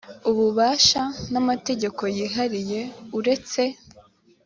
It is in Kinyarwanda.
ububasha n amategeko yihariye uretse